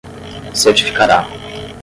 certificará